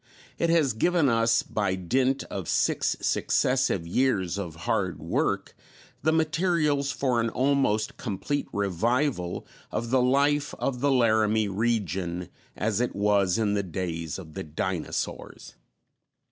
It has given us, by dint of six successive years of hard work, the materials for an almost complete revival of the life of the Laramie region as it was in the days of the dinosaurs.